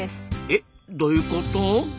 えっどういうこと？